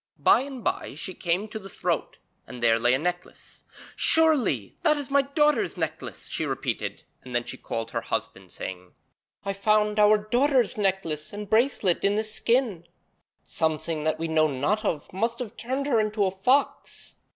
By and by she came to the throat, and there lay a necklace. 'Surely that is my daughter's necklace,' she repeated, and then she called to her husband, saying: 'I found our daughter's necklace and bracelet in this skin. Something that we know not of must have turned her into a fox.'